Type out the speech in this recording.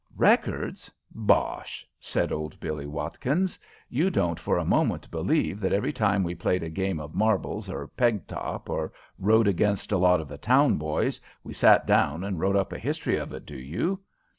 "Records? Bosh!" said old Billie Watkins. "You don't for a moment believe that every time we played a game of marbles or peg top, or rowed against a lot of the town boys, we sat down and wrote up a history of it, do you?